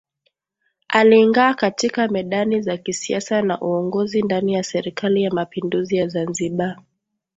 Alingaa katika medani za kisiasa na uongozi ndani ya Serikali ya Mapinduzi ya Zanzibar